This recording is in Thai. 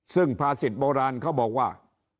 ซึ่งภาษิตโบราณเขาบอกว่า